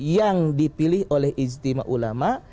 yang dipilih oleh ijtima ulama